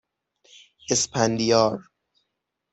اِسپندیار